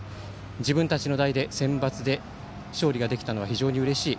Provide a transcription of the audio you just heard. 自分たちの代でセンバツで勝利ができたのは非常にうれしい。